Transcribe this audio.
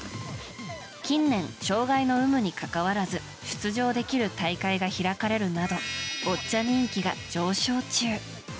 近年、障害の有無にかかわらず出場できる大会が開かれるなどボッチャ人気が上昇中。